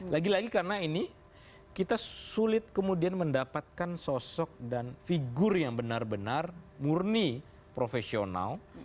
lagi lagi karena ini kita sulit kemudian mendapatkan sosok dan figur yang benar benar murni profesional